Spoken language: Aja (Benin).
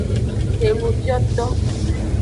Enubioto.